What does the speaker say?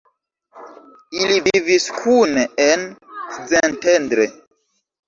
Ili vivis kune en Szentendre.